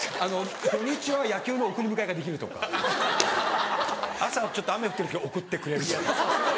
土・日は野球の送り迎えができるとか朝ちょっと雨降ってる時送ってくれるとか。